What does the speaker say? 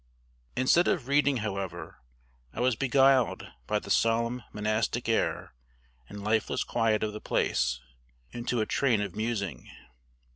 Instead of reading, however, I was beguiled by the solemn monastic air and lifeless quiet of the place, into a train of musing.